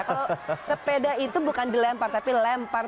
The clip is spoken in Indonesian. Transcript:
kalau sepeda itu bukan dilempar tapi lempar